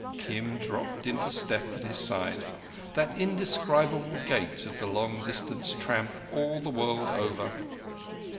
Kim dropped into step at his side—that indescribable gait of the long distance tramp all the world over.